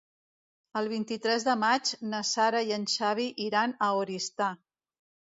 El vint-i-tres de maig na Sara i en Xavi iran a Oristà.